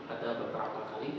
ada beberapa kali